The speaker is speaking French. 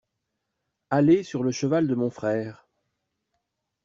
Aller sur le cheval de mon frère.